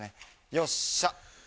よっしゃ！